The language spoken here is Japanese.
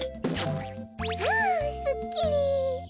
ああすっきり。